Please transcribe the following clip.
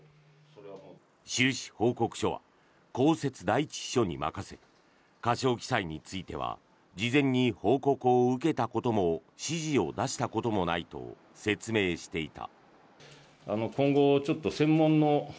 収支報告書は公設第１秘書に任せ過少記載については事前に報告を受けたことも指示を出したこともないと説明していた。